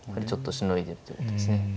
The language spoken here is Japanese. ちょっとしのいでっていうことですね。